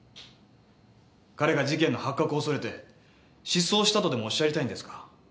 彼が事件の発覚を恐れて失踪したとでもおっしゃりたいんですか？